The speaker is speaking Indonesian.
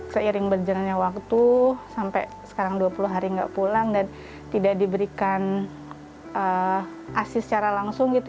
seiring berjalannya waktu sampai sekarang dua puluh hari nggak pulang dan tidak diberikan asis secara langsung gitu